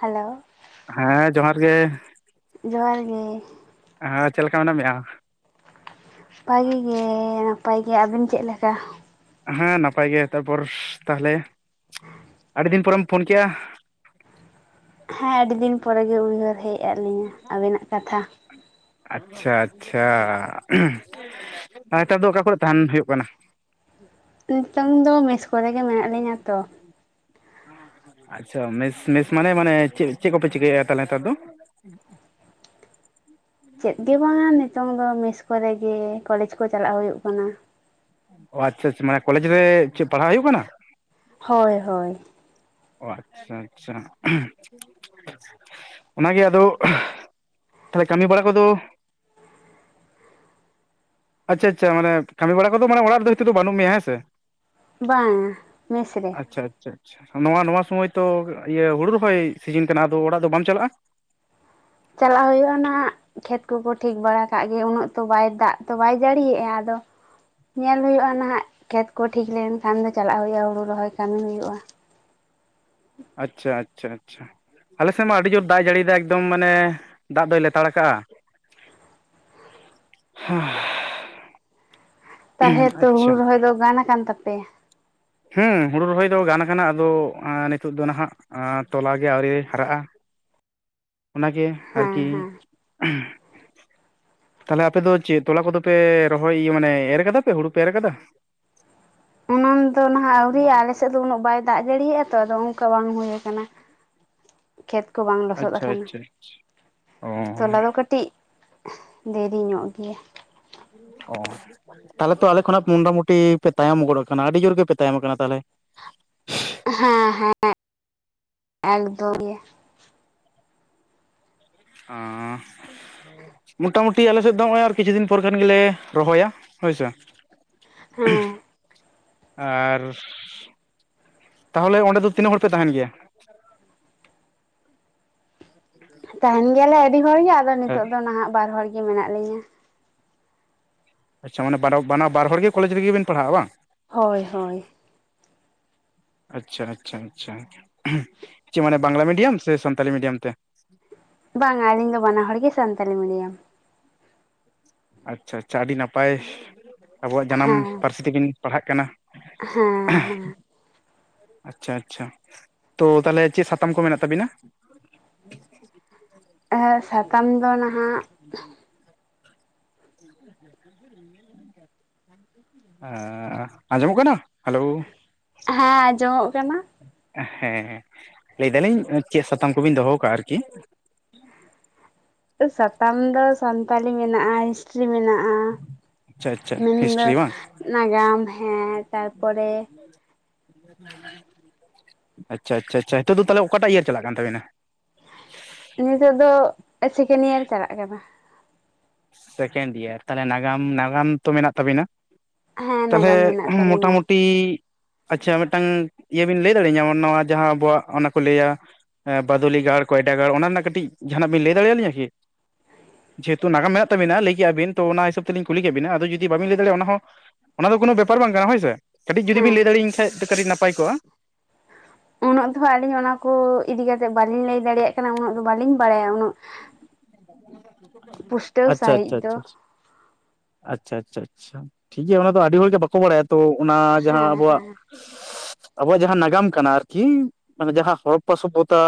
Hello, ᱦᱮᱸ ᱡᱚᱦᱟᱨ ᱜᱮ, ᱡᱚᱦᱟᱨ ᱜᱮ᱾ ᱦᱮᱸ ᱪᱮᱫ ᱞᱮᱠᱟ ᱢᱮᱱᱟᱜ ᱢᱮᱭᱟ? ᱵᱷᱟᱜᱮ ᱜᱮ ᱱᱟᱯᱟᱭ ᱜᱮ ᱟᱹᱵᱮᱱ ᱪᱮᱫ ᱞᱮᱠᱟ? ᱦᱮᱸ ᱱᱟᱯᱟᱭ ᱜᱮ ᱛᱟᱨᱯᱚᱨ ᱛᱟᱦᱞᱮ ᱟᱹᱰᱤ ᱫᱤᱱ ᱯᱚᱨᱮᱢ ᱯᱷᱳᱱ ᱠᱮᱜᱼᱟ? ᱦᱮᱸ ᱟᱹᱰᱤ ᱫᱤᱱ ᱯᱚᱨᱮ ᱜᱮ ᱩᱭᱦᱟᱹᱨ ᱦᱮᱡ ᱟᱫ ᱞᱤᱧᱟ ᱟᱵᱤᱱᱟᱜ ᱠᱟᱛᱷᱟ᱾ ᱟᱪᱪᱷᱟ ᱟᱪᱪᱷᱟ, ᱱᱮᱛᱟᱨ ᱫᱚ ᱚᱠᱟ ᱠᱚᱨᱮ ᱛᱟᱦᱮᱸᱱ ᱦᱩᱭᱩᱜ ᱠᱟᱱᱟ? ᱱᱤᱛᱚᱝ ᱫᱚ ᱢᱮᱥ ᱠᱚᱨᱮᱜᱮ ᱢᱮᱱᱟᱜ ᱞᱤᱧᱟᱹ ᱛᱚ᱾ [inaudible] ᱟᱪᱪᱷᱟ ᱢᱮᱥ ᱢᱮᱥ ᱢᱟᱱᱮ ᱢᱟᱱᱮ ᱪᱮᱫ ᱪᱮᱫ ᱠᱚᱯᱮ ᱪᱤᱠᱟᱹᱭᱮᱫᱼᱟ ᱛᱟᱦᱞᱮ ᱱᱮᱛᱟᱨ ᱫᱚ? [unintelligible] ᱪᱮᱫ ᱜᱮ ᱵᱟᱝᱟ ᱱᱤᱛᱚᱝ ᱫᱚ ᱢᱮᱥ ᱠᱚᱨᱮ ᱜᱮ ᱠᱚᱞᱮᱡᱽ ᱠᱚ ᱪᱟᱞᱟᱜ ᱦᱩᱭᱩᱜ ᱠᱟᱱᱟ᱾ ᱚ ᱟᱪᱪᱷᱟ ᱟᱪᱪᱷᱟ ᱢᱟᱱᱮ ᱠᱚᱞᱮᱡᱽ ᱨᱮ ᱪᱮᱫ ᱯᱟᱲᱦᱟᱜ ᱦᱩᱭᱩᱜ ᱠᱟᱱᱟ? ᱦᱳᱭ ᱦᱳᱭ, ᱚ ᱟᱪᱪᱷᱟ ᱟᱪᱪᱷᱟ, ᱚᱱᱟᱜᱮ ᱟᱫᱚ ᱛᱟᱦᱞᱮ ᱠᱟᱹᱢᱤ ᱵᱟᱲᱟ ᱠᱚᱫᱚ? ᱟᱪᱪᱷᱟ ᱟᱪᱪᱷᱟ, ᱢᱟᱱᱮ ᱠᱟᱹᱢᱤ ᱵᱟᱲᱟ ᱠᱚᱫᱚ ᱚᱲᱟᱜ ᱨᱮᱫᱚ ᱱᱤᱛᱚᱜ ᱫᱚ ᱵᱟᱹᱱᱩᱜ ᱢᱮᱭᱟ ᱦᱮᱸ ᱥᱮ? ᱵᱟᱝ ᱢᱮᱥ ᱨᱮ ᱟᱪᱪᱷᱟ ᱟᱪᱪᱷᱟ ᱟᱪᱷᱟ ᱱᱚᱣᱟ ᱥᱩᱢᱚᱭ ᱛᱚ ᱤᱭᱟᱹ ᱦᱩᱲᱩ ᱨᱚᱦᱚᱭ ᱥᱤᱡᱤᱱ ᱠᱟᱱᱟ ᱟᱫᱚ ᱚᱲᱟᱜ ᱫᱚ ᱵᱟᱢ ᱪᱟᱞᱟᱜᱼᱟ ᱪᱟᱞᱟᱜ ᱦᱩᱭᱩᱜᱼᱟ ᱱᱟᱦᱟᱜ ᱠᱷᱮᱛ ᱠᱚ ᱠᱚ ᱴᱷᱤᱠ ᱵᱟᱲᱟ ᱠᱟᱜ ᱜᱮ ᱩᱱᱟᱹᱜ ᱛᱚ ᱵᱟᱭ ᱫᱟᱜ ᱛᱚ ᱵᱟᱭ ᱡᱟᱹᱲᱤᱭᱮᱜᱼᱟ ᱟᱫᱚ ᱧᱮᱞ ᱦᱩᱭᱩᱜᱼᱟ ᱱᱟᱦᱟᱜ ᱠᱷᱮᱛ ᱠᱚ ᱴᱷᱤᱠ ᱞᱮᱱ ᱠᱷᱟᱱ ᱫᱚ ᱪᱟᱞᱟᱜ ᱦᱩᱭᱩᱜᱼᱟ ᱦᱩᱲᱩ ᱨᱚᱦᱚᱭ ᱠᱟᱹᱢᱤ ᱦᱩᱭᱩᱜᱼᱟ ᱟᱪᱪᱷᱟ ᱟᱪᱪᱷᱟ ᱟᱪᱪᱷᱟ ᱟᱞᱮ ᱥᱮᱫ ᱢᱟ ᱟᱹᱰᱤ ᱡᱳᱨ ᱫᱟᱜ ᱮ ᱡᱟᱹᱲᱤᱭᱮᱫᱟ ᱮᱠᱫᱚᱢ ᱢᱟᱱᱮ ᱫᱟᱜ ᱫᱚᱭ ᱞᱮᱛᱟᱲ ᱠᱟᱜᱼᱟ [unintelligible] ᱦᱮᱸ [unintelligible] ᱛᱟᱦᱚᱞᱮ ᱛᱚ ᱦᱩᱲᱩ ᱨᱚᱦᱚᱭ ᱫᱚ ᱜᱟᱱ ᱟᱠᱟᱱ ᱛᱟᱯᱮᱭᱟ ᱾ ᱦᱩᱸ ᱦᱩᱲᱩ ᱨᱚᱦᱚᱭ ᱫᱚ ᱜᱟᱱ ᱠᱟᱱᱟ ᱟᱫᱚ ᱱᱤᱛᱳᱜ ᱫᱚ ᱱᱟᱦᱟᱜ ᱛᱚᱞᱟ ᱜᱮ ᱟᱹᱣᱨᱤ ᱦᱟᱨᱟᱜᱼᱟ ᱚᱱᱟ ᱜᱮ ᱦᱮᱸ ᱟᱨᱠᱤ ᱦᱮᱸ [inaudible] ᱦ ᱛᱟᱦᱚᱞᱮ ᱟᱯᱮ ᱫᱚ ᱪᱮᱫ ᱛᱚᱞᱟ ᱠᱚᱫᱚ ᱯᱮ ᱨᱚᱦᱚᱭᱤᱭᱟᱹ ᱢᱟᱱᱮ ᱮᱨ ᱠᱟᱫᱟ ᱯᱮ ᱦᱩᱲᱩ ᱯᱮ ᱮᱨ ᱠᱟᱫᱟ ᱾ ᱚᱱᱟᱹᱱ ᱫᱚ ᱱᱟᱦᱟᱜ ᱟᱹᱣᱨᱤᱭᱜᱼᱟ ᱟᱞᱮ ᱥᱮᱫ ᱫᱚ ᱩᱱᱟᱹᱜ ᱵᱟᱭ ᱫᱟᱜ ᱡᱟᱹᱲᱤᱭᱟᱜᱼᱟ ᱛᱚ ᱟᱫᱚ ᱚᱱᱠᱟ ᱵᱟᱝ ᱦᱩᱭ ᱠᱟᱱᱟ ᱾ ᱠᱷᱮᱛ ᱠᱚ ᱵᱟᱝ ᱞᱚᱥᱚᱫ ᱟᱪᱪᱷᱟ ᱟᱠᱟᱱᱟ ᱟᱪᱪᱷᱟ ᱚ ᱛᱚᱞᱟ ᱫᱚ ᱠᱟᱹᱴᱤᱡ ᱫᱮᱨᱤ ᱧᱚᱜ ᱜᱮᱭᱟ ᱚ ᱛᱟᱦᱚᱞᱮ ᱛᱚ ᱟᱞᱮ ᱠᱷᱚᱱᱟᱜ ᱢᱚᱴᱟᱢᱩᱴᱤ ᱯᱮ ᱛᱟᱭᱚᱢ ᱜᱚᱱ ᱠᱟᱱᱟ ᱟᱹᱰᱤ ᱡᱳᱨ ᱜᱮᱯᱮ ᱛᱟᱭᱚᱢ ᱠᱟᱱᱟ ᱛᱟᱦᱚᱞᱮ ᱦᱮᱸ ᱦᱮᱸ ᱮᱠᱫᱚᱢ ᱜᱮ ᱚ ᱢᱚᱴᱟᱢᱩᱴᱤ ᱟᱞᱮ ᱥᱮᱫ ᱫᱚ ᱱᱚᱜᱼᱚᱭ ᱟᱨ ᱠᱤᱪᱷᱩ ᱫᱤᱱ ᱯᱚᱨ ᱠᱷᱟᱱ ᱜᱮᱞᱮ ᱨᱚᱦᱚᱭᱟ ᱦᱳᱭ ᱥᱮ ᱦᱮᱸ [unintelligible] ᱟᱨ ᱛᱟᱦᱚᱞᱮ ᱚᱸᱰᱮ ᱫᱚ ᱛᱤᱱᱟᱹᱜ ᱦᱚᱲ ᱯᱮ ᱛᱟᱦᱮᱸᱱ ᱜᱮᱭᱟ ᱛᱟᱦᱮᱸᱱ ᱜᱮᱭᱟᱞᱮ ᱟᱹᱰᱤ ᱦᱚᱲ ᱜᱮ ᱟᱫᱚ ᱦᱮᱸ ᱱᱤᱛᱚᱜ ᱫᱚ ᱱᱟᱦᱟᱜ ᱵᱟᱨ ᱦᱚᱲ ᱜᱮ ᱢᱮᱱᱟᱜ ᱞᱤᱧᱟᱹ ᱟᱪᱪᱷᱟ ᱢᱟᱱᱮ [unintelligible] ᱵ ᱵᱟᱱᱟ ᱵᱟᱨ ᱦᱚᱲ ᱜᱮ ᱠᱚᱞᱮᱡᱽ ᱨᱮᱜᱮᱵᱮᱱ ᱯᱟᱲᱦᱟᱜᱼᱟ ᱵᱟᱝ? ᱦᱳᱭ ᱦᱳᱭ ᱟᱪᱪᱷᱟ ᱟᱪᱪᱷᱟ ᱟᱪᱪᱷᱟ ᱪᱮᱫ ᱢᱟᱱᱮ ᱵᱟᱝᱞᱟ ᱢᱤᱰᱤᱭᱟᱢ ᱥᱮ ᱥᱟᱱᱛᱟᱞᱤ ᱢᱤᱰᱤᱭᱟᱢ ᱛᱮ ᱵᱟᱝᱟ ᱟᱹᱞᱤᱧ ᱫᱚ ᱵᱟᱱᱟ ᱦᱚᱲ ᱜᱮ ᱥᱟᱱᱛᱟᱞᱤ ᱢᱤᱰᱤᱭᱟᱢ ᱟᱪᱪᱷᱟ ᱟᱪᱪᱷᱟ ᱟᱹᱰᱤ ᱱᱟᱯᱟᱭ ᱟᱵᱚᱣᱟᱜ ᱡᱟᱱᱟᱢ ᱦᱮᱸ ᱯᱟᱹᱨᱥᱤ ᱛᱮᱵᱤᱱ ᱯᱟᱲᱦᱟᱜ ᱠᱟᱱᱟ ᱦᱮᱸ ᱦᱮᱸ ᱟᱪᱪᱷᱟ ᱟᱪᱪᱷᱟ ᱛᱚ ᱛᱟᱦᱚᱞᱮ ᱪᱮᱫ ᱥᱟᱛᱟᱢ ᱠᱚ ᱢᱮᱱᱟᱜ ᱛᱟᱵᱤᱱᱟ ᱥᱟᱛᱟᱢ ᱫᱚ ᱱᱟᱦᱟᱜ [inaudible] [inaudible] ᱟᱸᱡᱚᱢᱚᱜ ᱠᱟᱱᱟ ᱦᱮᱞᱳ ᱦᱮᱸ ᱟᱸᱡᱚᱢᱚᱜ ᱠᱟᱱᱟ ᱦᱮᱸ ᱞᱟᱹᱭᱫᱟ ᱞᱤᱧ ᱪᱮᱫ ᱥᱟᱛᱟᱢ ᱠᱚᱵᱤᱱ ᱫᱚᱦᱚ ᱟᱠᱟᱫᱟ ᱟᱨᱠᱤ ᱥᱟᱛᱟᱢ ᱫᱚ ᱥᱟᱱᱛᱟᱞᱤ ᱢᱮᱱᱟᱜᱼᱟ ᱦᱤᱥᱴᱨᱤ ᱢᱮᱱᱟᱜᱼᱟ ᱟᱪᱪᱷᱟ ᱟᱪᱪᱷᱟ ᱢᱮᱱᱫᱚ ᱦᱤᱥᱴᱨᱤ ᱵᱟᱝ ᱱᱟᱜᱟᱢ ᱦᱮᱸ ᱛᱟᱨᱯᱚᱨᱮ ᱟᱪᱪᱷᱟ ᱟᱪᱪᱷᱟ ᱟᱪᱪᱷᱟ ᱱᱤᱛᱳᱜ ᱫᱚ ᱛᱟᱞᱦᱮ ᱚᱠᱟᱴᱟᱜ ᱤᱭᱟᱨ ᱪᱟᱞᱟᱜ ᱠᱟᱱ ᱛᱟᱵᱤᱱᱟ ᱱᱤᱛᱚᱜ ᱫᱚ ᱥᱮᱠᱮᱱᱰ ᱤᱭᱟᱨ ᱪᱟᱞᱟᱜ ᱠᱟᱱᱟ ᱥᱮᱠᱮᱱᱰ ᱤᱭᱟᱨ ᱛᱟᱦᱚᱞᱮ ᱱᱟᱜᱟᱢ ᱱᱟᱜᱟᱢ ᱛᱚ ᱢᱮᱱᱟᱜ ᱛᱟᱹᱵᱤᱱᱟ ᱦᱮᱸ ᱛᱟᱞᱦᱮ ᱱᱟᱜᱟᱢ ᱢᱮᱱᱟᱜ ᱛᱟᱹᱞᱤᱧᱟ ᱢᱚᱴᱟᱢᱩᱴᱤ ᱟᱪᱪᱷᱟ ᱢᱤᱫᱴᱟᱝ ᱤᱭᱟᱹ ᱵᱤᱱ ᱞᱟᱹᱭ ᱫᱟᱲᱮᱭᱟ ᱞᱤᱧᱟ ᱱᱚᱣᱟ ᱡᱟᱦᱟᱸ ᱟᱵᱚᱣᱟᱜ ᱚᱱᱟ ᱠᱚ ᱞᱟᱹᱭᱟ ᱵᱟᱫᱚᱞᱤ ᱜᱟᱲ ᱠᱚᱭᱰᱟ ᱜᱟᱲ ᱚᱱᱟ ᱨᱮᱱᱟᱜ ᱠᱟᱹᱴᱤᱡ ᱡᱟᱦᱟᱸᱱᱟᱜ ᱵᱮᱱ ᱞᱟᱹᱭ ᱫᱟᱲᱮᱭᱟᱞᱤᱧᱟ ᱠᱤ ᱡᱮᱦᱮᱛᱩ ᱱᱟᱜᱟᱢᱮᱫ ᱠᱛᱚ ᱢᱮᱱᱟᱜ-ᱟ ᱞᱟᱹᱭ ᱠᱮᱜ ᱟᱹᱵᱤᱱ ᱛᱚ ᱚᱱᱟ ᱦᱤᱥᱟᱹᱵ ᱛᱮᱞᱤᱧ ᱠᱩᱞᱤ ᱠᱮᱫ ᱵᱤᱱᱟ ᱟᱫᱚ ᱡᱩᱫᱤ ᱵᱟᱵᱤᱱ ᱞᱟᱹᱭ ᱫᱟᱲᱮᱭᱟᱜ-ᱟ, ᱚᱱᱟ ᱫᱚ ᱠᱚᱱᱳ ᱵᱮᱯᱟᱨ ᱵᱟᱝ ᱠᱟᱱᱟ ᱦᱳᱭ ᱥᱮ, ᱠᱟᱹᱴᱤᱡ ᱡᱩᱫᱤ ᱵᱤᱱ ᱦᱮᱸ ᱞᱟᱹᱭ ᱫᱟᱲᱭᱟᱹᱧ ᱠᱷᱟᱡ ᱠᱟᱹᱴᱤᱡ ᱱᱟᱯᱟᱭ ᱠᱚᱜᱼᱟ ᱾ ᱩᱱᱟᱹᱜ ᱫᱚ ᱟᱹᱞᱤᱧ ᱚᱱᱟ ᱠᱚ ᱤᱫᱤ ᱠᱟᱛᱮᱜ ᱵᱟᱞᱤᱧ ᱞᱟᱹᱭ ᱫᱟᱲᱮᱭᱟᱜ ᱠᱟᱱᱟ ᱩᱱᱟᱹᱜ ᱵᱟᱹᱞᱤᱧ ᱵᱟᱲᱟᱭᱟ ᱩᱱᱟᱹᱜ ᱯᱩᱥᱴᱟᱹᱣ ᱟᱪᱪᱷᱟ ᱟᱪᱪᱷᱟ ᱥᱟᱺᱦᱤᱡ ᱫᱚ ᱟᱪᱪᱷᱟ ᱟᱪᱪᱷᱟ ᱟᱪᱪᱷᱟ᱾ ᱴᱷᱤᱠ ᱜᱮᱭᱟ ᱚᱱᱟ ᱫᱚ ᱟᱹᱰᱤ ᱦᱚᱲᱜᱮ ᱵᱟᱠᱚ ᱵᱟᱲᱟᱭᱟ ᱛᱚ ᱚᱱᱟ ᱡᱟᱦᱟᱸ ᱟᱵᱚᱣᱟᱜ ᱦᱮ᱾ ᱟᱵᱚᱣᱟᱜ ᱡᱟᱦᱟᱸ ᱱᱟᱜᱟᱢ ᱠᱟᱱᱟ, ᱟᱨᱠᱤ᱾ ᱢᱟᱱᱮ ᱡᱟᱦᱟᱸ ᱦᱚᱨᱚᱯᱯᱟ ᱥᱚᱵᱷᱚᱛᱟ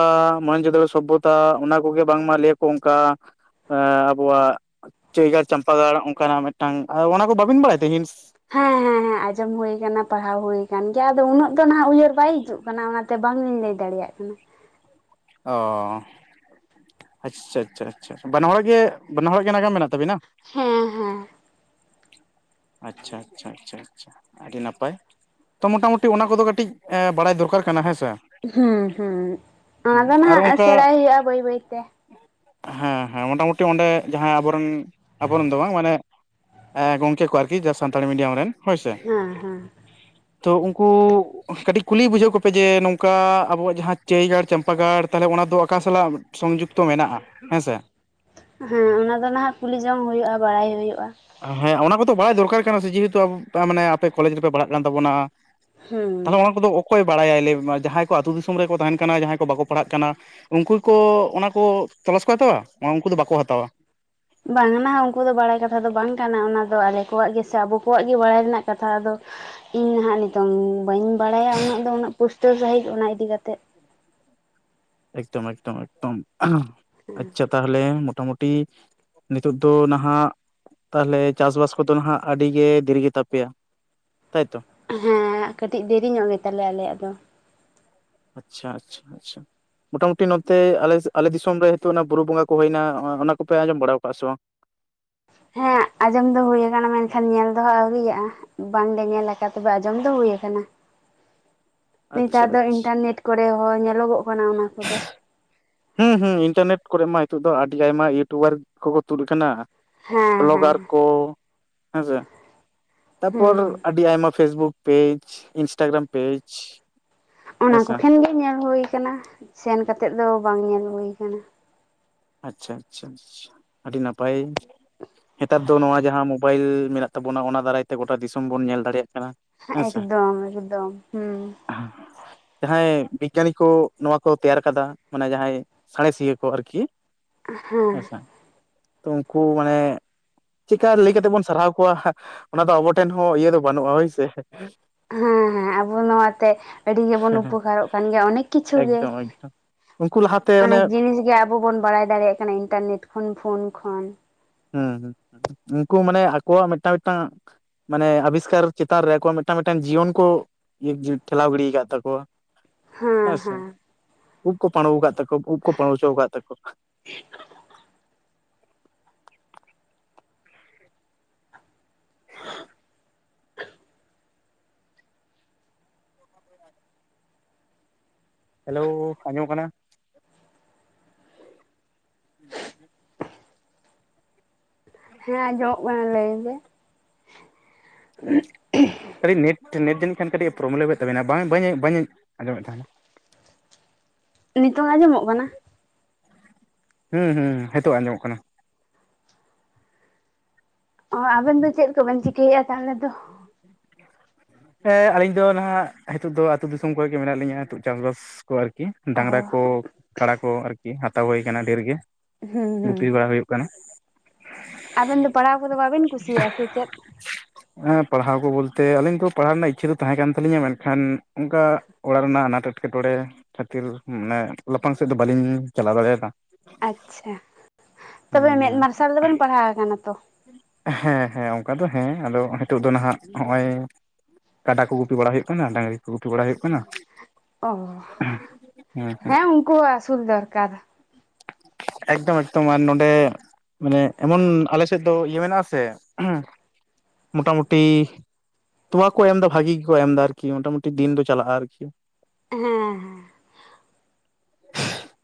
ᱢᱚᱦᱮᱱᱡᱚ ᱫᱟᱲᱚ ᱥᱚᱵᱷᱚᱛᱟ ᱚᱱᱟ ᱠᱚᱜᱮ ᱵᱟᱝᱢᱟ ᱞᱟᱹᱭᱟ ᱠᱚ ᱚᱱᱠᱟ ᱮ ᱟᱵᱚᱣᱟᱜ ᱪᱟᱹᱭ ᱜᱟᱲ ᱪᱟᱢᱯᱟ ᱜᱟᱲ ᱚᱱᱠᱟᱱᱟᱜ ᱢᱤᱫᱴᱟᱝ ᱚᱱᱟ ᱠᱚ ᱵᱟᱹᱵᱤᱱ ᱵᱟᱲᱟᱭ ᱛᱮ ᱦᱤᱱᱥ᱾ ᱦᱮᱸ ᱦᱮᱸ ᱦᱮᱸ ᱟᱸᱡᱚᱢ ᱦᱩ ᱟᱠᱟᱱᱟ, ᱯᱟᱲᱦᱟᱣ ᱦᱩ ᱟᱠᱟᱱ ᱜᱮᱭᱟ ᱟᱫᱚ ᱩᱱᱟᱹᱜ ᱫᱚ ᱱᱟᱦᱟᱜ ᱩᱭᱦᱟᱹᱨ ᱵᱟᱭ ᱦᱤᱡᱩᱜ ᱠᱟᱱᱟ ᱚᱱᱟᱛᱮ᱾ ᱵᱟᱝᱤᱧ ᱞᱟᱹᱭ ᱫᱟᱲᱮᱭᱟᱜ ᱠᱟᱱᱟ᱾ ᱚ᱾ ᱟᱪᱪᱷᱟ ᱟᱪᱪᱷᱟ ᱟᱪᱪᱷᱟ᱾ ᱵᱟᱱᱟᱦᱚᱲᱟᱜ ᱜᱮ ᱵᱟᱱᱟᱦᱚᱲ ᱜᱮ ᱱᱟᱜᱟᱢ ᱢᱮᱱᱟᱜ ᱛᱟᱵᱤᱱᱟ? ᱦᱮᱸ ᱦᱮᱸ᱾ ᱟᱪᱪᱷᱟ ᱟᱪᱪᱷᱟ ᱟᱪᱪᱷᱟ᱾ ᱟᱪᱪᱷᱟ ᱟᱹᱰᱤ ᱱᱟᱯᱟᱭ, ᱛᱚ ᱢᱚᱴᱟᱢᱩᱴᱤ ᱚᱱᱟ ᱠᱚᱫᱚ ᱠᱟᱹᱴᱤᱡ ᱵᱟᱲᱟᱭ ᱫᱚᱨᱠᱟᱨ ᱠᱟᱱᱟ ᱦᱮᱸᱥᱮ᱾ ᱦᱩᱸ ᱦᱩᱸ᱾ ᱚᱱᱟ ᱫᱚ ᱟᱨ ᱱᱟᱦᱟᱜ ᱚᱱᱠᱟ ᱥᱮᱬᱟᱭ ᱦᱩᱭᱩᱜᱼᱟ ᱵᱟᱹᱭ ᱵᱟᱹᱭ ᱛᱮ᱾ ᱦᱮᱸ ᱦᱮᱸ ᱢᱚᱴᱟᱢᱩᱴᱤ ᱚᱸᱰᱮ ᱡᱟᱦᱟᱸᱭ ᱟᱵᱚᱨᱮᱱ ᱟᱵᱚᱨᱮᱱ ᱫᱚ ᱵᱟᱝ ᱢᱟᱱᱮ ᱜᱚᱝᱠᱮ ᱠᱚ ᱟᱨᱠᱤ ᱡᱟᱦᱟᱸ ᱥᱟᱱᱛᱟᱲ ᱢᱤᱰᱤᱭᱟᱢ ᱨᱮᱱ ᱦᱳᱭᱥᱮ, ᱦᱮᱸ ᱦᱮᱸ ᱛᱚ ᱩᱱᱠᱩ ᱠᱟᱹᱴᱤᱡ ᱠᱩᱞᱤ ᱵᱩᱡᱷᱟᱹᱣ ᱠᱚᱯᱮ ᱡᱮ ᱱᱚᱝᱠᱟ ᱟᱵᱚᱣᱟᱜ ᱡᱟᱦᱟᱸ ᱪᱟᱹᱭ ᱜᱟᱲ, ᱪᱟᱢᱯᱟ ᱜᱟᱲ, ᱛᱟᱦᱚᱞᱮ ᱚᱱᱟ ᱫᱚ ᱚᱠᱟ ᱥᱟᱞᱟᱜ ᱥᱚᱝᱡᱩᱠ ᱛᱚ ᱢᱮᱱᱟᱜᱼᱟ ᱦᱮᱸ ᱥᱮ᱾ ᱦᱮᱸ ᱚᱱᱟ ᱫᱚ ᱱᱟᱦᱟᱜ ᱠᱩᱞᱤ ᱡᱚᱝ ᱦᱩᱭᱩᱜᱼᱟ ᱵᱟᱲᱟᱭ ᱦᱩᱭᱩᱜᱼᱟ᱾ ᱦᱮᱸ ᱚᱱᱟ ᱠᱚᱫᱚ ᱵᱟᱲᱟᱭ ᱫᱚᱨᱠᱟᱨ ᱠᱟᱱᱟ ᱥᱮ ᱡᱮᱦᱮᱛᱩ ᱟᱵᱚ ᱢᱟᱱᱮ ᱟᱯᱮ ᱠᱚᱞᱮᱡᱽ ᱨᱮᱯᱮ ᱯᱟᱲᱦᱟᱜ ᱠᱟᱱ ᱛᱟᱵᱚᱱᱟ᱾ ᱦᱩᱸ ᱛᱟᱦᱞᱮ ᱚᱱᱟ ᱠᱚᱫᱚ, ᱚᱠᱚᱭ ᱵᱟᱲᱟᱭᱟᱭ ᱞᱟᱹᱭ ᱢᱮ ᱢᱟ᱾ ᱡᱟᱦᱟᱸᱭ ᱠᱚ ᱟᱹᱛᱩ ᱫᱤᱥᱚᱢ ᱨᱮᱠᱚ ᱛᱟᱦᱮᱱ ᱠᱟᱱᱟ ᱡᱟᱦᱟᱸᱭ ᱠᱚ ᱵᱟᱠᱚ ᱯᱟᱲᱦᱟᱜ ᱠᱟᱱᱟ? ᱩᱱᱠᱩ ᱠᱚ ᱚᱱᱟᱠᱚ ᱛᱚᱞᱟᱥ ᱠᱚ ᱦᱟᱛᱟᱣᱟ? ᱩᱱᱠᱩ ᱫᱚ ᱵᱟᱠᱚ ᱦᱟᱛᱟᱣᱟ᱾ ᱵᱟᱝᱟᱱᱟ ᱩᱱᱠᱩ ᱫᱚ ᱵᱟᱲᱟᱭ ᱠᱟᱛᱷᱟ ᱫᱚ ᱵᱟᱝ ᱠᱟᱱᱟ᱾ ᱚᱱᱟ ᱫᱚ ᱟᱞᱮ ᱠᱚᱣᱟᱜ ᱜᱮᱥᱮ ᱟᱵᱚ ᱠᱚᱣᱟᱜ ᱜᱮ ᱵᱟᱲᱟᱭ ᱨᱮᱱᱟᱜ ᱠᱟᱛᱷᱟ ᱫᱚ᱾ ᱤᱧ ᱱᱟᱦᱟᱜ ᱱᱤᱛᱚᱝ ᱵᱟᱹᱧ ᱵᱟᱲᱟᱭᱟ ᱩᱱᱟᱹᱜ ᱫᱚ ᱩᱱᱟᱹᱜ ᱯᱩᱥᱴᱟᱹᱣ ᱥᱟᱹᱦᱤᱡ ᱚᱱᱟ ᱤᱫᱤ ᱠᱟᱛᱮᱫ᱾ ᱮᱠᱫᱚᱢ ᱮᱠᱫᱚᱢ ᱮᱠᱫᱚᱢ᱾ ᱟᱪᱪᱷᱟ ᱛᱟᱦᱚᱞᱮ ᱢᱚᱴᱟᱢᱩᱴᱤ ᱴᱤ, ᱱᱤᱛᱚᱜ ᱫᱚ ᱱᱟᱦᱟᱜ ᱛᱟᱦᱚᱞᱮ ᱪᱟᱥᱵᱟᱥ ᱠᱚᱫᱚ ᱦᱟᱜ ᱟᱹᱰᱤ ᱜᱮ ᱫᱤᱨᱤ ᱜᱮ ᱛᱟᱯᱮᱭᱟ᱾ ᱛᱟᱭᱛᱚ? ᱦᱮᱸ᱾ ᱠᱟᱹᱴᱤᱡ ᱫᱮᱨᱤ ᱧᱚᱜ ᱜᱮ ᱛᱟᱞᱮᱭᱟ ᱟᱞᱮᱭᱟᱜ ᱫᱚ᱾ ᱟᱪᱪᱷᱟ ᱟᱪᱪᱷᱟ ᱟᱪᱪᱷᱟ᱾ ᱢᱚᱴᱟ ᱢᱩᱴᱤ ᱱᱚᱛᱮ ᱟᱞᱮ ᱟᱞᱮ ᱫᱤᱥᱚᱢ ᱨᱮ ᱱᱤᱛᱚᱜ ᱚᱱᱟ ᱵᱩᱨᱩ ᱵᱚᱸᱜᱟ ᱠᱚ ᱦᱩᱭᱱᱟ ᱚᱱᱟ ᱠᱚᱯᱮ ᱟᱸᱡᱚᱢ ᱵᱟᱲᱟ ᱟᱠᱟᱜᱼᱟ ᱥᱮ ᱵᱟᱝ? ᱦᱮᱸ ᱟᱸᱡᱚᱢ ᱫᱚ ᱦᱩᱭ ᱟᱠᱟᱱᱟ ᱢᱮᱱᱠᱷᱟᱱ ᱧᱮᱞ ᱫᱚ ᱦᱟᱜ ᱟᱹᱣᱨᱤᱭᱟᱜ-ᱟ᱾ ᱵᱟᱝᱞᱮ ᱧᱮᱞ ᱟᱠᱟᱫᱟ᱾ ᱛᱚᱵᱮ ᱟᱸᱡᱚᱢ ᱫᱚ ᱦᱩᱭ ᱟᱠᱟᱱᱟ᱾ ᱟᱪᱪᱷᱟ ᱱᱮᱛᱟᱨ ᱫᱚ ᱟᱪᱪᱷᱟ ᱤᱱᱴᱟᱨᱱᱮᱴ ᱠᱚᱨᱮ ᱦᱚᱸ ᱧᱮᱞᱚᱜᱚᱜ ᱠᱟᱱᱟ ᱚᱱᱟ ᱠᱚᱫᱚ᱾ ᱦᱩᱸ ᱦᱩᱸ ᱤᱱᱴᱟᱨᱱᱮᱴ ᱠᱚᱨᱮ ᱢᱟ ᱱᱤᱛᱚᱜ ᱫᱚ ᱟᱹᱰᱤ ᱟᱭᱢᱟ ᱤᱭᱩᱴᱩᱵᱟᱨ ᱠᱚᱠᱚ ᱛᱩᱫ ᱟᱠᱟᱱᱟ᱾ ᱦᱮᱸ ᱦᱮᱸ ᱵᱞᱚᱜᱟᱨ ᱠᱚ ᱦᱮᱸᱥᱮ ᱛᱟᱯᱚᱨ ᱦᱩᱸ ᱟᱹᱰᱤ ᱟᱭᱢᱟ ᱯᱷᱮᱥᱵᱩᱠ ᱠᱚ ᱯᱮᱡᱽ ᱤᱱᱥᱴᱟᱜᱟᱨᱟᱢ ᱯᱮᱡᱽ᱾ ᱚᱱᱟ ᱠᱚ ᱦᱮᱸᱥᱮ ᱠᱷᱚᱱ ᱜᱮ ᱧᱮᱞ ᱦᱩᱭ ᱟᱠᱟᱱᱟ᱾ ᱥᱮᱱ ᱠᱟᱛᱮᱫ ᱫᱚ ᱵᱟᱝ ᱧᱮᱞ ᱦᱩᱭ ᱟᱠᱟᱱᱟ᱾ ᱟᱪᱪᱷᱟ ᱟᱪᱪᱷᱟ ᱟᱪᱪᱷᱟ ᱟᱹᱰᱤ ᱱᱟᱯᱟᱭ᱾ ᱱᱮᱛᱟᱨ ᱫᱚ ᱱᱚᱣᱟ ᱡᱟᱦᱟᱸ ᱢᱳᱵᱟᱭᱤᱞ ᱢᱮᱱᱟᱜ ᱛᱟᱵᱚᱱᱟ᱾ ᱚᱱᱟ ᱫᱟᱨᱟᱭ ᱛᱮ ᱜᱚᱴᱟ ᱫᱤᱥᱚᱢ ᱵᱚᱱ ᱧᱮᱞ ᱫᱟᱲᱮᱭᱟᱜ ᱠᱟᱱᱟ᱾ ᱦᱮᱸᱥᱮ ᱮᱠᱫᱚᱢ ᱮᱠᱫᱚᱢ ᱦᱮᱸ ᱡᱟᱦᱟᱸᱭ ᱵᱤᱜᱽᱜᱟᱱᱤ ᱠᱚ ᱱᱚᱣᱟ ᱠᱚ ᱛᱮᱭᱟᱨ ᱠᱟᱫᱟ ᱚᱱᱟ ᱡᱟᱦᱟᱸᱭ ᱥᱟᱬᱮᱥᱤᱭᱟᱹ ᱠᱚ ᱟᱨ ᱜᱷᱤ ᱦᱮᱸ ᱟᱪᱪᱷᱟ ᱩᱱᱠᱩ ᱢᱟᱱᱮ ᱪᱤᱠᱟ ᱞᱟᱹᱭ ᱠᱟᱛᱮ ᱵᱚᱱ ᱥᱟᱨᱦᱟᱣ ᱠᱚᱣᱟ ᱦᱟ ᱚᱱᱟ ᱫᱚ ᱟᱵᱚ ᱴᱷᱮᱱ ᱦᱚᱸ ᱤᱭᱟᱹ ᱫᱚ ᱵᱟᱹᱱᱩᱜᱼᱟ ᱵᱩᱡᱷᱟᱹᱣ ᱦᱮᱸ ᱦᱮᱸ ᱟᱵᱚ ᱱᱚᱣᱟᱛᱮ ᱟᱹᱰᱤ ᱜᱮᱵᱚᱱ ᱩᱯᱚᱠᱟᱨᱚᱜ ᱠᱟᱱ ᱜᱮᱭᱟ ᱚᱱᱮ ᱠᱤᱪᱷᱩ ᱜᱮ᱾ ᱮᱠᱫᱚᱢ ᱮᱠᱫᱚᱢ ᱩᱱᱠᱩ ᱞᱟᱦᱟᱛᱮ ᱚᱱᱮ ᱚᱱᱮᱠ ᱡᱤᱱᱤᱥ ᱜᱮ ᱟᱵᱚ ᱵᱚᱱ ᱵᱟᱲᱟᱭ ᱫᱟᱲᱮᱭᱟᱜ ᱠᱟᱱᱟ ᱤᱱᱴᱟᱨᱱᱮᱴ ᱠᱷᱚᱱ ᱯᱷᱳᱱ ᱠᱷᱚᱱ᱾ ᱦᱩᱸ ᱦᱩᱸ ᱩᱱᱠᱩ ᱢᱟᱱᱮ ᱟᱠᱚᱣᱟᱜ ᱢᱤᱫᱴᱟᱝ ᱢᱤᱫᱴᱟᱝ ᱢᱟᱱᱮ ᱟᱵᱤᱥᱠᱟᱨ ᱪᱮᱛᱟᱱ ᱨᱮ ᱟᱠᱚᱣᱟᱜ ᱢᱤᱫᱴᱟᱝ ᱢᱤᱫᱴᱟᱱ ᱡᱤᱭᱚᱱ ᱠᱚ ᱤᱭᱟᱹᱜ ᱡᱩ ᱴᱷᱮᱞᱟᱣ ᱜᱤᱰᱤ ᱟᱠᱟᱫ ᱛᱟᱠᱚᱣᱟ᱾ ᱦᱮᱸ ᱥᱮ᱾ ᱩᱵ ᱠᱚ ᱯᱟᱲᱩ ᱟᱠᱟᱫ ᱛᱟᱠᱚᱣᱟ ᱩᱵ ᱠᱚ ᱯᱟᱲᱩ ᱦᱚᱪᱚ ᱟᱠᱟᱫ ᱛᱟᱠᱚᱣᱟ᱾ [unintelligible] ᱦᱮᱞᱳ ᱟᱸᱡᱚᱢᱚᱜ ᱠᱟᱱᱟ? ᱦᱮᱸ ᱟᱸᱡᱚᱢᱚᱜ ᱠᱟᱱᱟ᱾ ᱞᱟᱹᱭ ᱢᱮ? [unintelligible] ᱱᱮᱴ ᱱᱮᱴ ᱫᱱ ᱠᱷᱟᱱ ᱠᱟᱹᱴᱤᱡ ᱯᱨᱚᱵᱞᱚᱢ ᱦᱩᱭᱩᱜ ᱛᱟᱵᱮᱱᱟ ᱵᱟᱝᱧ ᱵᱟᱹᱧ ᱟᱸᱡᱚᱢᱮᱫ ᱛᱟᱦᱮᱱᱟ ᱱᱤᱛᱚᱝ ᱟᱸᱡᱚᱢᱚᱜ ᱠᱟᱱᱟ? ᱦᱩᱸ ᱦᱩᱸ ᱦᱤᱛᱳᱜ ᱟᱸᱡᱚᱢᱚᱜ ᱠᱟᱱᱟ ᱚ ᱟᱵᱮᱱ ᱫᱚ ᱪᱮᱫ ᱠᱚᱵᱮᱱ ᱪᱤᱠᱟᱹᱭᱮᱫᱼᱟ ᱛᱟᱞᱮ ᱫᱚ ᱦᱮᱸ ᱟᱞᱤᱧ ᱫᱚ ᱱᱟᱦᱟᱜ ᱦᱟᱤᱛᱚᱜ ᱫᱚ ᱟᱛᱳ ᱫᱤᱥᱚᱢ ᱠᱚᱨᱮ ᱜᱮ ᱢᱮᱱᱟᱜ ᱞᱤᱧᱟ ᱛᱚ ᱪᱟᱥ ᱵᱟᱟᱥ ᱠᱚ ᱟᱨᱠᱤ ᱚ ᱰᱟᱝᱨᱟ ᱠᱚ ᱠᱟᱲᱟ ᱠᱚ ᱟᱨᱠᱤ ᱦᱟᱛᱟᱣ ᱦᱳᱭ ᱟᱠᱟᱱᱟ ᱰᱷᱮᱨ ᱜᱮ ᱦᱩᱸ ᱦᱩᱸ ᱜᱩᱯᱤ ᱵᱟᱝ ᱦᱳᱭᱳᱜ ᱠᱟᱱᱟ ᱟᱵᱮᱱ ᱫᱚ ᱯᱟᱲᱦᱟᱣ ᱠᱚᱫᱚ ᱵᱟᱵᱮᱱ ᱠᱩᱥᱤᱭᱟᱜᱼᱟ ᱥᱮ ᱪᱮᱫ? ᱦᱮᱸ ᱯᱟᱲᱦᱟᱣ ᱠᱚ ᱵᱚᱞᱛᱮ ᱟᱞᱤᱧ ᱫᱚ ᱯᱟᱲᱦᱟᱣ ᱨᱮᱱᱟᱜ ᱤᱪᱪᱷᱟᱹ ᱫᱚ ᱛᱟᱦᱮᱸ ᱠᱟᱱ ᱛᱟᱹᱞᱤᱧᱟ ᱢᱮᱱᱠᱷᱟᱱ ᱚᱱᱠᱟ ᱚᱲᱟᱜ ᱨᱮᱱᱟᱜ ᱟᱱᱟᱴ ᱮᱴᱠᱮᱴᱚᱬᱮ ᱠᱷᱟᱹᱛᱤᱨ ᱢᱟᱱᱮ ᱞᱟᱯᱷᱟᱝ ᱥᱮᱫ ᱫᱚ ᱵᱟᱹᱞᱤᱧ ᱪᱟᱞᱟᱣ ᱫᱟᱲᱮᱭᱟᱫᱟ ᱟᱪᱪᱷᱟ ᱛᱚᱵᱮ ᱢᱮᱫ ᱦᱩᱸ ᱢᱟᱨᱥᱟᱞ ᱫᱚᱵᱮᱱ ᱯᱟᱲᱦᱟᱣ ᱟᱠᱟᱱᱟ ᱛᱚ? ᱦᱮᱸ ᱦᱮᱸ ᱚᱱᱠᱟ ᱫᱚ ᱦᱮᱸ ᱟᱫᱚ ᱦᱤᱛᱚᱜ ᱫᱚ ᱱᱟᱦᱟᱜ ᱱᱚᱜᱼᱚᱭ ᱠᱟᱰᱟ ᱠᱚ ᱜᱩᱯᱤ ᱵᱟᱲᱟ ᱦᱩᱭᱩᱜ ᱠᱟᱱᱟ ᱰᱟᱹᱝᱨᱤ ᱠᱚ ᱜᱩᱯᱤ ᱵᱟᱲᱟ ᱦᱩᱭᱩᱜ ᱠᱟᱱᱟ᱾ ᱦᱮᱸ ᱦᱮᱸ ᱚᱦᱸ ᱩᱱᱠᱩ ᱦᱚ ᱟᱹᱥᱩᱞ ᱫᱚᱨᱠᱟᱨ ᱮᱠᱫᱚᱢ ᱮᱠᱫᱚᱢ ᱟᱨ ᱱᱚᱰᱮ ᱢᱟᱱᱮ ᱮᱢᱚᱱ ᱟᱞᱮᱼᱼ ᱥᱮᱫ ᱫᱚ ᱤᱭᱟᱹ ᱢᱮᱱᱟᱜ ᱟᱥᱮ ᱢᱚᱴᱟᱢᱩᱴᱤ ᱛᱚᱣᱟ ᱠᱚ ᱮᱢ ᱮᱫᱟ ᱵᱷᱟᱜᱤ ᱜᱮᱠᱚ ᱮᱢ ᱮᱫᱟ ᱟᱨᱠᱤ ᱢᱚᱴᱟᱢᱩᱴᱤ ᱫᱤᱱ ᱫᱚ ᱪᱟᱞᱟᱜᱼᱟ ᱟᱨᱠᱤ᱾ ᱦᱮᱸ ᱦᱮᱸ [inaudible]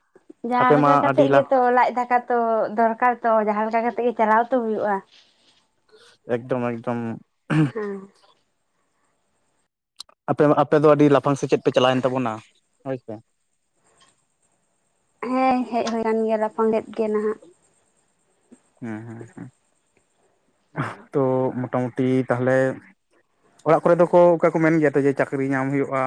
ᱡᱟᱦᱟᱸ ᱟᱯᱮ ᱢᱟ ᱞᱮᱠᱟ ᱟᱹᱰᱤ ᱠᱟᱛᱮᱜ ᱞᱟᱠᱷ ᱜᱮᱛᱚ ᱞᱟᱡ ᱫᱟᱠᱟ ᱛᱚ ᱫᱚᱨᱠᱟᱨ ᱛᱚ ᱡᱟᱦᱟᱸ ᱞᱮᱠᱟ ᱠᱟᱛᱮᱜ ᱜᱮ ᱪᱟᱞᱟᱣ ᱛᱚ ᱦᱩᱭᱩᱜᱼᱟ᱾ ᱮᱠᱫᱚᱢ ᱮᱠᱫᱚᱢ ᱦᱮᱸ ᱟᱯᱮ ᱟᱯᱮ ᱫᱚ ᱟᱹᱰᱤ ᱞᱟᱯᱷᱟᱝ ᱥᱮᱪᱮᱫ ᱯᱮ ᱪᱟᱞᱟᱣᱮᱱ ᱛᱟᱵᱚᱱᱟ ᱦᱳᱭ ᱥᱮ ᱦᱮᱸ ᱦᱮᱡ ᱦᱳᱭ ᱟᱠᱟᱱ ᱜᱮᱭᱟ ᱞᱟᱯᱷᱟᱝ [inaudible] ᱜᱮ [inaudible] ᱱᱟᱦᱟᱜ ᱦᱮᱸ ᱦᱮᱸ ᱛᱚ ᱢᱚᱴᱟᱢᱩᱴᱤ ᱛᱟᱦᱞᱮ ᱚᱲᱟᱜ ᱠᱚᱨᱮ ᱫᱚ ᱠᱚ ᱚᱠᱟ ᱠᱚ ᱢᱮᱱ ᱜᱮᱭᱟ ᱛᱚ ᱡᱮ ᱪᱟᱹᱠᱨᱤ ᱧᱟᱢ ᱦᱩᱭᱩᱜᱼᱟ?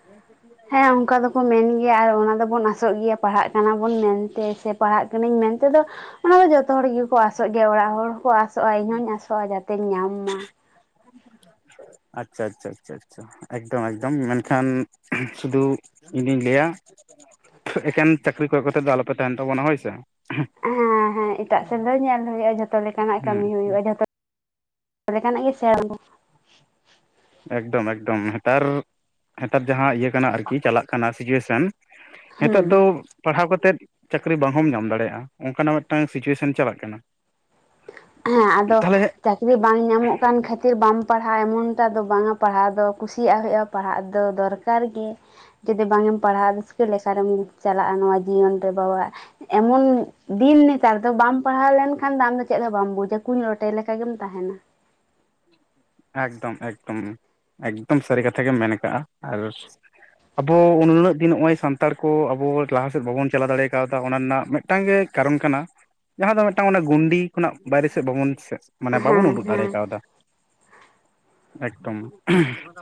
[unintelligible] ᱦᱮᱸ ᱚᱱᱠᱟ ᱫᱚᱠᱚ ᱢᱮᱱ ᱜᱮᱭᱟ ᱟᱨ ᱚᱱᱟ ᱫᱚᱵᱚᱱ ᱟᱥᱚᱜ ᱜᱮᱭᱟ ᱯᱟᱲᱦᱟᱜ ᱠᱟᱱᱟ ᱵᱚᱱ ᱢᱮᱱᱛᱮ ᱥᱮ ᱯᱟᱲᱦᱟᱜ ᱠᱟᱱᱟᱱᱟᱹᱧ ᱢᱮᱱᱛᱮ ᱫᱚ᱾ ᱚᱱᱟᱫᱚ ᱡᱚᱛᱚ ᱦᱚᱲ ᱜᱮᱠᱚ ᱟᱥᱚᱜ ᱜᱮᱭᱟ ᱚᱲᱟᱜ ᱦᱚᱲ ᱦᱚᱸᱠᱚ ᱟᱥᱚᱜᱼᱟ ᱤᱧ ᱦᱚᱸᱧ ᱟᱥᱚᱜᱼᱟ ᱡᱟᱛᱮᱧ ᱧᱟᱢ ᱢᱟ᱾ ᱟᱪᱪᱷᱟ ᱟᱪᱪᱷᱟ ᱟᱪᱪᱷᱟ ᱟᱪᱪᱷᱟ ᱮᱠᱫᱚᱢ ᱮᱠᱫᱚᱢ ᱢᱮᱱᱠᱷᱟᱱ ᱥᱩᱫᱷᱩ ᱤᱧᱫᱩᱧ ᱞᱟᱹᱭᱟ᱾ ᱛᱷᱩ ᱮᱠᱮᱱ ᱪᱟᱠᱨᱤ ᱠᱚᱭᱚᱜ ᱠᱟᱛᱮ ᱫᱚ ᱟᱞᱚ ᱯᱮ ᱛᱟᱦᱮᱱ ᱛᱟᱵᱚᱱᱟ ᱦᱳᱭ ᱥᱮ? ᱦᱮᱸ ᱦᱮᱸ ᱮᱴᱟᱜ ᱥᱮᱫ ᱫᱚ ᱧᱮᱞ ᱦᱩᱭᱩᱜᱼᱟ ᱡᱷᱚᱛᱚ ᱞᱮᱠᱟᱱᱟᱜ ᱠᱟᱹᱢᱤ ᱦᱩᱭᱩᱜᱼᱟ ᱡᱷᱚᱛᱚ ᱞᱮᱠᱟᱱᱟᱜ [inaudible] ᱮᱠᱫᱚᱢ ᱮᱠᱫᱚᱢ ᱦᱮᱛᱟᱨ ᱦᱮᱛᱟᱨ ᱡᱟᱦᱟᱸ ᱤᱭᱟᱹ ᱠᱟᱱᱟ ᱟᱨᱠᱤ ᱪᱟᱞᱟᱜ ᱠᱟᱱᱟ ᱥᱤᱡᱩᱭᱮᱥᱚᱱ ᱱᱤᱛᱚᱜ ᱦᱩᱸ ᱫᱚ ᱯᱟᱲᱦᱟᱣ ᱠᱟᱛᱮᱜ ᱪᱟᱹᱠᱨᱤ ᱵᱟᱝ ᱦᱚᱸᱢᱚ ᱧᱟᱢ ᱫᱟᱲᱮᱭᱟᱜᱼᱟ, ᱚᱱᱠᱟᱱᱟᱜ ᱢᱤᱫᱴᱟᱝ ᱥᱤᱪᱩᱭᱮᱥᱚᱱ ᱪᱟᱞᱟᱜ ᱠᱟᱱᱟ᱾ ᱦᱮᱸ ᱟᱫᱚ ᱛᱟᱦᱚᱞᱮ ᱪᱟᱹᱠᱨᱤ ᱵᱟᱝ ᱧᱟᱢᱚᱜ ᱠᱟᱱ ᱠᱷᱟᱹᱛᱤᱨ ᱵᱟᱢ ᱯᱟᱲᱦᱟᱜᱼᱟ, ᱮᱢᱚᱱᱴᱟᱜ ᱫᱚ ᱵᱟᱝᱼᱟ, ᱯᱟᱲᱦᱟᱣ ᱫᱚ ᱠᱩᱥᱤᱭᱟᱜ ᱦᱩᱭᱩᱜᱼᱟ᱾ ᱯᱟᱲᱦᱟᱜ ᱫᱚ ᱫᱚᱨᱠᱟᱨ ᱜᱮ᱾ ᱡᱩᱫᱤ ᱵᱟᱝ ᱮᱢ ᱯᱟᱲᱦᱟᱜᱼᱟ ᱨᱟᱹᱥᱠᱟᱹ ᱞᱮᱥᱟᱨᱮᱢ ᱪᱟᱞᱟᱜᱼᱟ ᱱᱚᱣᱟ ᱡᱤᱭᱚᱱ ᱨᱮ [inaudible] ᱮᱢᱚᱱ ᱫᱤᱱ ᱱᱮᱛᱟᱨ ᱫᱚ ᱵᱟᱢ ᱯᱟᱲᱦᱟᱣ ᱞᱮᱱᱠᱷᱟᱱ ᱫᱚ ᱟᱢ ᱫᱚ ᱪᱮᱫ ᱦᱚᱸ ᱵᱟᱢ ᱜᱚᱡᱟ ᱠᱩᱧ ᱨᱚᱴᱮ ᱞᱮᱠᱟ ᱜᱮᱢ ᱛᱟᱦᱮᱱᱟ᱾ ᱮᱠᱫᱚᱢ ᱮᱠᱫᱚᱢ ᱮᱠᱫᱚᱢ ᱥᱟᱹᱨᱤ ᱠᱟᱛᱷᱟ ᱜᱮᱢ ᱢᱮᱱ ᱠᱟᱜᱼᱟ ᱟᱨ ᱟᱵᱚ ᱩᱱᱟᱹᱜ ᱫᱤᱱ ᱱᱚᱜᱼᱚᱭ ᱥᱟᱱᱛᱟᱲ ᱠᱚ ᱟᱵᱚ ᱞᱟᱦᱟ ᱥᱮᱫ ᱵᱟᱵᱚᱱ ᱪᱟᱞᱟᱣ ᱫᱟᱲᱮ ᱠᱟᱣᱫᱟ ᱚᱱᱟ ᱱᱟᱜ ᱢᱤᱫ ᱢᱤᱫᱴᱟᱝ ᱜᱮ ᱠᱟᱨᱚᱱ ᱠᱟᱱᱟ ᱡᱟᱦᱟᱸ ᱫᱚ ᱢᱤᱫᱴᱟᱝ ᱚᱱᱟ ᱜᱩᱱᱰᱤ ᱠᱷᱚᱱᱟᱜ ᱵᱟᱭᱨᱮ ᱥᱮᱫ ᱵᱟᱵᱚᱱ ᱥᱮᱛᱼᱼ ᱢᱟᱱᱮ ᱵᱟᱵᱚᱱ ᱦᱮᱸ ᱩᱰᱩᱜ ᱦᱮᱸ ᱫᱟᱲᱮ ᱠᱟᱣᱫᱟ᱾ ᱮᱠᱫᱚᱢ ᱩᱢᱻᱦᱚᱸ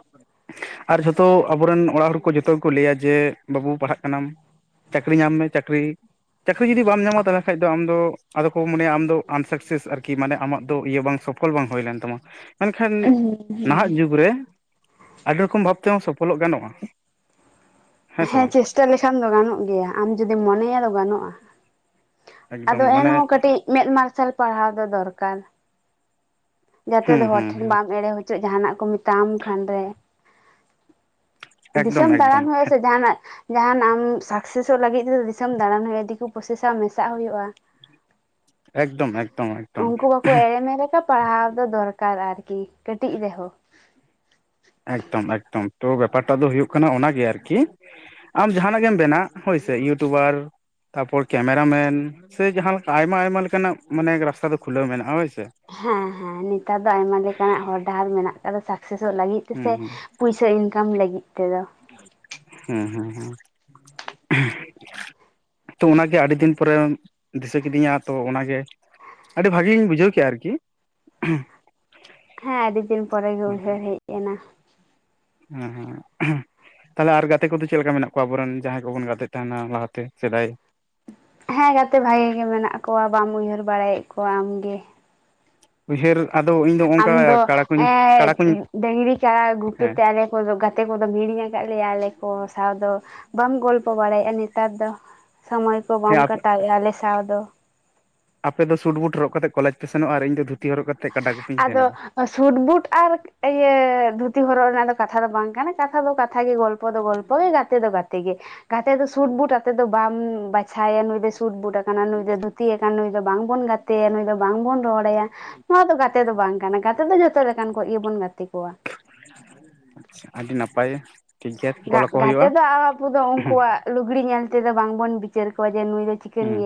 ᱟᱨ ᱡᱷᱚᱛᱚ ᱟᱵᱚᱨᱮᱱ ᱚᱲᱟᱜ ᱦᱚᱲ ᱠᱚ ᱡᱚᱛᱚ ᱜᱮᱠᱚ ᱞᱟᱹᱭᱟ ᱡᱮ ᱵᱟᱹᱵᱩ ᱯᱟᱲᱦᱟᱜ ᱠᱟᱱᱟᱢ ᱪᱟᱹᱠᱨᱤ ᱧᱟᱢ ᱢᱮ ᱪᱟᱹᱠᱨᱤ ᱪᱟᱹᱠᱨᱤ ᱡᱩᱫᱤ ᱵᱟᱢ ᱧᱟᱢᱟ, ᱛᱟᱦᱚᱞᱮ ᱠᱷᱟᱱ ᱫᱚ ᱟᱢ ᱟᱫᱚ ᱠᱚ ᱢᱚᱱᱮᱭᱟ ᱟᱢ ᱫᱚ ᱟᱱᱥᱠᱥᱮᱥ ᱟᱨᱠᱤ ᱢᱟᱱᱮ ᱟᱢᱟᱜ ᱫᱚ ᱤᱭᱟᱹ ᱵᱟᱝ ᱥᱚᱯ ᱥᱚᱯᱚᱞ ᱵᱟᱝ ᱦᱩᱭᱞᱮᱱ ᱛᱟᱢᱟ ᱾ ᱢᱮᱱᱠᱷᱟᱱ ᱱᱟᱦᱟᱜ ᱡᱩᱜᱽ ᱨᱮ ᱟᱹᱰᱤ ᱨᱚᱠᱚᱢ ᱵᱷᱟᱵ ᱛᱮᱦᱚᱸ ᱥᱚᱯᱷᱚᱞᱚᱜ ᱜᱟᱱᱚᱜᱼᱟ᱾ ᱥᱮ ᱵᱟᱝ ᱦᱮᱸ ᱪᱮᱥᱴᱟ ᱞᱮᱠᱷᱟᱱ ᱫᱚ ᱜᱟᱱᱚᱜ ᱜᱮᱭᱟ, ᱟᱢ ᱡᱩᱚᱫᱤᱢ ᱢᱚᱱᱮᱭᱟ ᱟ ᱜᱟᱱᱚᱜᱼᱟ᱾ ᱮᱠᱫᱚᱢ ᱟᱫᱚ ᱢᱟᱱᱮ ᱮᱱᱦᱚᱸ ᱠᱟᱹᱴᱤᱡ ᱢᱮᱫ ᱢᱟᱨᱥᱟᱞ ᱯᱟᱲᱦᱟᱣ ᱫᱚ ᱫᱚᱨᱠᱟᱨ᱾ ᱡᱟᱛᱮ ᱦᱩᱸ ᱫᱚ ᱦᱚᱲ ᱦᱩᱸ ᱴᱷᱮᱱ ᱦᱩᱸ ᱵᱟᱢ ᱮᱲᱮ ᱦᱚᱪᱚᱜ ᱡᱟᱦᱟᱱᱟᱜ ᱠᱚ ᱢᱮᱛᱟᱢ ᱠᱷᱟᱱᱨᱮ ᱮᱠᱫᱚᱢ ᱫᱤᱥᱚᱢ ᱮᱠᱫᱚᱢ ᱫᱟᱬᱟᱱ ᱦᱩᱭᱩᱜ ᱟᱥᱮ ᱡᱟᱦᱟᱱᱟᱜ ᱡᱟᱦᱟᱱ ᱟᱢ ᱥᱟᱠᱥᱮᱥᱚᱜ ᱞᱟᱹᱜᱤᱫ ᱛᱮᱫᱚ ᱫᱤᱥᱚᱢ ᱫᱟᱬᱟᱱ ᱦᱩᱭᱩᱜᱼᱟ, ᱫᱤᱠᱩ ᱯᱚᱥᱮᱥᱟᱜ ᱢᱮᱥᱟᱜ ᱦᱩᱭᱩᱜᱼᱟ᱾ ᱮᱠᱫᱚᱢ ᱮᱠᱫᱚᱢ ᱮᱠᱫᱚᱢ᱾ ᱠᱚ ᱮᱲᱮᱢᱮ ᱞᱮᱠᱟ ᱯᱟᱲᱦᱟᱣ ᱫᱚ ᱫᱚᱨᱠᱟᱨ ᱟᱨᱠᱤ ᱠᱟᱹᱴᱤᱡ ᱨᱮᱦᱚᱸ᱾ ᱮᱠᱫᱚᱢ ᱮᱠᱫᱚᱢ ᱛᱚ ᱵᱮᱯᱟᱨ ᱴᱟᱜ ᱫᱚ ᱦᱩᱭᱩᱜ ᱠᱟᱱᱟ ᱚᱱᱟᱜᱮ ᱟᱨᱠᱤ, ᱟᱢ ᱡᱟᱦᱟᱱᱟᱜ ᱜᱮᱢ ᱵᱮᱱᱟ ᱦᱳᱭ ᱥᱮ ᱤᱭᱩᱴᱩᱵᱟᱨ ᱛᱟᱯᱚᱨ ᱠᱮᱢᱮᱨᱟ ᱢᱮᱱ ᱥᱮ ᱡᱟᱦᱟᱸ ᱞᱮᱠᱟ ᱟᱭᱢᱟ ᱟᱭᱢᱟ ᱞᱮᱠᱟᱱᱟᱜ ᱢᱟᱱᱮ ᱨᱟᱥᱛᱟ ᱫᱚ ᱠᱷᱩᱞᱟᱹᱣ ᱢᱮᱱᱟᱜᱼᱟ ᱦᱳᱭ ᱥᱮ᱾ ᱦᱮᱸ ᱦᱮᱸ ᱱᱮᱛᱟᱨ ᱫᱚ ᱟᱭᱢᱟ ᱞᱮᱠᱟᱱᱟᱜ ᱦᱚᱨ ᱰᱟᱦᱟᱨ ᱢᱮᱱᱟᱜ ᱟᱠᱟᱫᱟ ᱥᱟᱠᱥᱮᱥᱚᱜ ᱞᱟᱹᱜᱤᱫ᱾ ᱦᱩᱸ ᱥᱮ ᱦᱩᱸ ᱯᱩᱭᱥᱟᱹ ᱤᱱᱠᱟᱢ ᱞᱟᱹᱜᱤᱫ ᱛᱮᱫᱚ᱾ ᱦᱩᱸ ᱦᱩᱸ ᱦᱩᱸ᱾ ᱛᱚ ᱚᱱᱟᱜᱮ ᱟᱹᱰᱤ ᱫᱤᱱ ᱯᱚᱨᱮ ᱫᱤᱥᱟᱹ ᱠᱤᱫᱤᱧᱟ ᱛᱚ, ᱚᱱᱟᱜᱮ ᱟᱹᱰᱤ ᱵᱷᱟᱹᱜᱤᱧ ᱵᱩᱡᱷᱟᱹᱣ ᱠᱮᱫᱼᱟ ᱟᱨᱠᱤ᱾ ᱦᱮᱸ ᱟᱹᱰᱤ ᱫᱤᱱ ᱯᱚᱨᱮᱜ ᱜᱮ ᱩᱭᱦᱟᱹᱨ ᱦᱮᱡ ᱮᱱᱟ᱾ ᱦᱮᱸ ᱦᱮᱸ᱾ ᱛᱟᱦᱚᱞᱮ ᱟᱨ ᱜᱟᱛᱮ ᱠᱚᱫᱚ ᱪᱮᱫ ᱞᱮᱠᱟ ᱢᱮᱱᱟᱜ ᱠᱚᱣᱟ? ᱟᱵᱚᱨᱮᱱ ᱡᱟᱦᱟᱸᱭ ᱠᱚᱵᱚᱱ ᱜᱟᱛᱮᱜ ᱛᱟᱦᱮᱱᱟ ᱞᱟᱦᱟᱛᱮ ᱥᱮᱫᱟᱭ ᱦᱮᱸ ᱜᱟᱛᱮ ᱵᱷᱟᱜᱤ ᱜᱮ ᱢᱮᱱᱟᱜ ᱠᱚᱣᱟ, ᱵᱟᱢ ᱩᱭᱦᱟᱹᱨ ᱵᱟᱲᱟᱭᱮᱫ ᱠᱚᱣᱟ ᱟᱢᱜᱮ᱾ ᱩᱭᱦᱟᱹᱨ ᱟᱫᱚ ᱤᱧ ᱟᱢ ᱚᱱᱠᱟ ᱫᱚ ᱠᱟᱲᱟ ᱠᱩᱧ ᱮᱻ ᱠᱟᱲᱟ ᱠᱩᱧ ᱰᱟᱝᱨᱤ ᱠᱟᱲᱟ ᱜᱩᱯᱤ ᱦᱮᱸ ᱛᱮ ᱟᱞᱮ ᱜᱟᱛᱮ ᱠᱚᱫᱚᱢ ᱦᱤᱲᱤᱧ ᱟᱠᱟᱫ ᱞᱮᱭᱟ᱾ ᱟᱞᱮ ᱠᱚ ᱥᱟᱶ ᱫᱚ ᱵᱟᱢ ᱜᱚᱞᱯᱚ ᱵᱟᱲᱟᱭᱮᱫᱼᱟ ᱱᱮᱛᱟᱨ ᱫᱚ᱾ ᱥᱚᱢᱚᱭ ᱠᱚ ᱦᱮᱸ ᱵᱟᱢ ᱟᱯᱮ ᱠᱟᱴᱟᱣᱮᱫᱼᱟ ᱟᱞᱮ ᱥᱟᱶ ᱫᱚ᱾ ᱟᱯᱮ ᱫᱚ ᱥᱩᱴᱵᱩᱴ ᱦᱚᱜ ᱠᱟᱛᱮᱫ ᱠᱚᱞᱡᱽ ᱯᱮ ᱥᱮᱱᱚᱜᱼᱟ, ᱤᱧ ᱫᱚ ᱫᱷᱩᱛᱤ ᱦᱚᱨᱚᱜ ᱠᱟ ᱠᱟᱛᱮ ᱠᱟᱰᱟ ᱠᱩᱯᱤᱧ ᱟᱫᱚ ᱥᱮᱱᱚᱜᱼᱟ᱾ ᱥᱩᱴ ᱵᱩᱴ ᱟᱨ ᱤᱭᱟᱹ ᱫᱷᱩᱛᱤ ᱦᱚᱨᱚᱜ ᱨᱮᱱᱟᱜ ᱫᱚ ᱠᱟᱛᱷᱟ ᱫᱚ ᱵᱟᱝ ᱠᱟᱱᱟ, ᱠᱟᱛᱷᱟ ᱫᱚ ᱠᱟᱛᱷ ᱜᱮ ᱜᱚᱞ ᱫᱚ ᱜᱚᱞᱯᱚ ᱜᱟᱛᱮ ᱫᱚ ᱜᱟᱛ ᱛᱮᱜᱮ ᱜᱟᱛᱮ ᱫᱚ ᱥᱩᱴ ᱵᱩᱴ ᱟᱛᱮᱮᱫ ᱫᱚ ᱵᱟᱢ ᱵᱟᱪᱷᱟᱭᱟ ᱱᱩᱭ ᱫᱚ ᱥᱩᱴ ᱵᱩᱴ ᱟᱠᱟᱱᱟ, ᱱᱩᱭ ᱫᱚ ᱫᱷᱩᱛᱤ ᱱᱩᱭ ᱫᱚ ᱵᱟᱝᱵᱚᱱ ᱜᱟᱛᱮᱭᱟ ᱱᱩᱭ ᱫᱚ ᱵᱟᱝ ᱵᱚᱱ ᱨᱚᱲ ᱟᱭᱟ, ᱱᱚᱣᱟ ᱫᱚ ᱜᱟᱛᱮ ᱫᱚ ᱵᱟᱝ ᱠᱟᱱᱟ ᱜᱟᱛᱮ ᱫᱚ ᱡᱷᱚᱛᱚ ᱞᱮᱠᱟᱱ ᱠᱚ ᱜᱮᱵᱚᱱ ᱜᱟᱛᱮ ᱠᱚᱣᱟ᱾ ᱟᱹᱰᱤ ᱱᱟᱯᱟᱭ᱾ ᱴᱷᱤᱠ ᱜᱮᱭᱟ ᱠᱚᱞ ᱟᱠᱚ ᱜᱟᱛᱮ ᱦᱩᱭᱩᱜᱼᱟ ᱫᱚ ᱟᱵᱚ ᱫᱚ ᱩᱱᱠᱩᱣᱟᱜ ᱞᱩᱜᱽᱲᱤ ᱧᱮᱞ ᱛᱮᱫᱚ ᱵᱟᱝᱵᱚᱱ ᱵᱤᱪᱟᱹᱨ ᱠᱚᱣᱟ, ᱱᱩᱭ ᱫᱚ ᱪᱤᱠᱮᱱ ᱦᱮᱸ ᱜᱮ